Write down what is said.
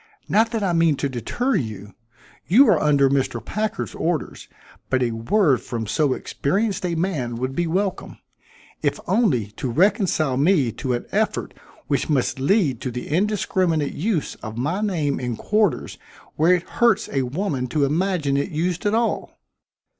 Not that I mean to deter you. You are under Mr. Packard's orders, but a word from so experienced a man would be welcome, if only to reconcile me to an effort which must lead to the indiscriminate use of my name in quarters where it hurts a woman to imagine it used at all."